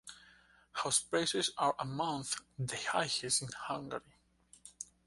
House prices are amongst the highest in Hungary.